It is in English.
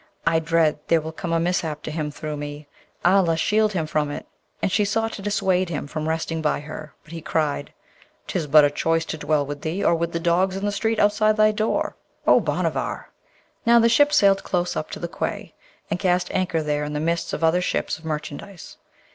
I dread there will come a mishap to him through me; Allah shield him from it!' And she sought to dissuade him from resting by her, but he cried, ''Tis but a choice to dwell with thee or with the dogs in the street outside thy door, O Bhanavar!' Now, the ship sailed close up to the quay, and cast anchor there in the midst of other ships of merchandise.